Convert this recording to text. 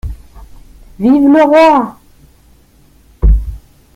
Vive le Roi!